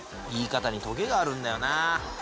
言い方にトゲがあるんだよな。